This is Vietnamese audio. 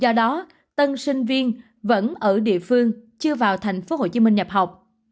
do đó tân sinh viên vẫn ở địa phương chưa vào tp hcm nhập học